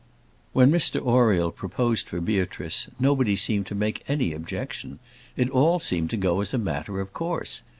When Mr Oriel proposed for Beatrice, nobody seemed to make any objection. It all seemed to go as a matter of course.